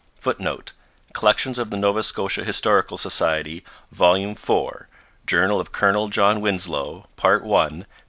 [Footnote: Collections of the Nova Scotia Historical Society, vol. iv, Journal of Colonel John Winslow, part i, p.